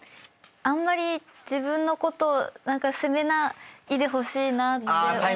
あんまり自分のこと責めないでほしいなって思いました。